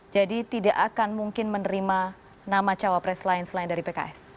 jadi tidak akan mungkin menerima nama cawapres lain selain dari pks